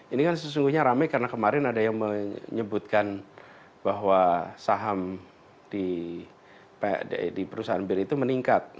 ini kan sesungguhnya rame karena kemarin ada yang menyebutkan bahwa saham di perusahaan bir itu meningkat